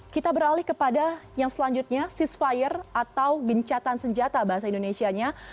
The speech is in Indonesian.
kita beralih kepada yang selanjutnya ceasefire atau bincatan senjata bahasa indonesia